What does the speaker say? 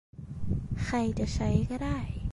ใครจะใช้ก็ได้